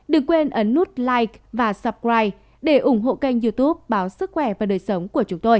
đừng quên ấn nút like và subscribe để ủng hộ kênh youtube báo sức khỏe và đời sống của chúng tôi